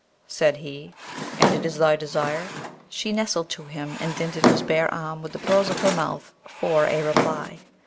Said he, 'And it is thy desire?' She nestled to him and dinted his bare arm with the pearls of her mouth for a reply.